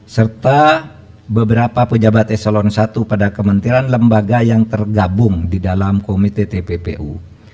serta beberapa pejabat eselon i pada kementerian lembaga yang tergabung di dalam komite tppu